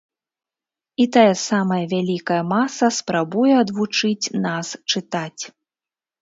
І тая самая вялікая маса спрабуе адвучыць нас чытаць.